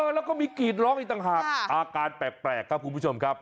แล้วก็มีกรีดร้องอีกต่างหากอาการแปลกครับคุณผู้ชมครับ